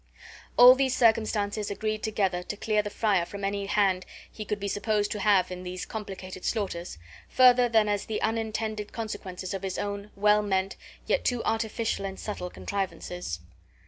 All these circumstances agreed together to clear the friar from any hand he could be supposed to have in these complicated slaughters, further than as the unintended consequences of his own well meant, yet too artificial and subtle contrivances.